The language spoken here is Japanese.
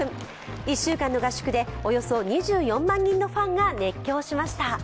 １週間の合宿で、およそ２４万人のファンが熱狂しました。